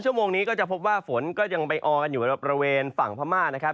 ชั่วโมงนี้ก็จะพบว่าฝนก็ยังไปออกันอยู่ในบริเวณฝั่งพม่านะครับ